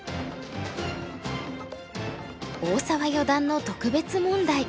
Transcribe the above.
大澤四段の特別問題。